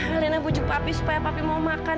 milena bujuk papi supaya papi mau makan